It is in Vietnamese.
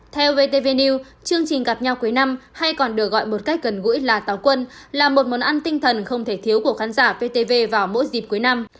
theo vtvk chương trình gặp nhau cuối năm hay còn được gọi một cách gần gũi là táo quân là một món ăn tinh thần không thể thiếu của khán giả ptv vào mỗi dịp cuối năm